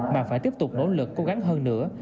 mà phải tiếp tục nỗ lực cố gắng hơn nữa